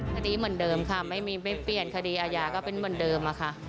คดีเหมือนเดิมค่ะไม่เปลี่ยนคดีอาญาก็เป็นเหมือนเดิมค่ะ